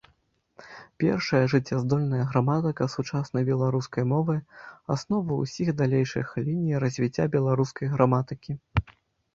Першая жыццяздольная граматыка сучаснай беларускай мовы, аснова ўсіх далейшых ліній развіцця беларускай граматыкі.